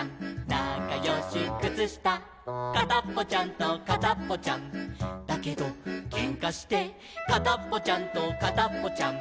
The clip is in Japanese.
なかよしくつした」「かたっぽちゃんとかたっぽちゃんだけどけんかして」「かたっぽちゃんとかたっぽちゃん」